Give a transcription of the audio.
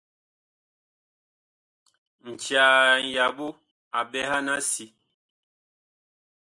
Ncaa ŋyaɓo a ɓɛhan a si.